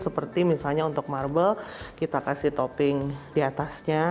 seperti misalnya untuk marble kita kasih topping di atasnya